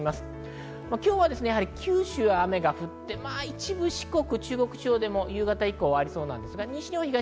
今日は九州が雨が降って、一部四国、九州地方でも夕方以降はありそうです。